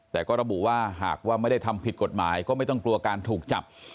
แต่ก็ระบุว่าหากว่าไม่ได้ทำผิดกฎหมายก็ไม่ต้องกลัวการถูกจับ